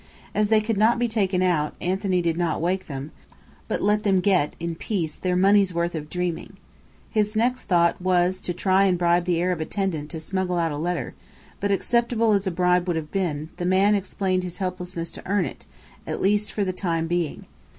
As they could not be taken out, Anthony did not wake them, but let them get, in peace, their money's worth of dreaming. His next thought was to try and bribe the Arab attendant to smuggle out a letter; but acceptable as a bribe would have been, the man explained his helplessness to earn it, at least for the time being.